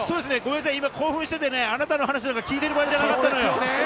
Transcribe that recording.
今、興奮してて、あなたの話など聞いてる場合じゃなかったのよ！